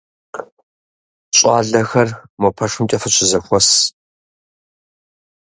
Щӏалэхэр мо пэшымкӏэ фыщызэхуэс.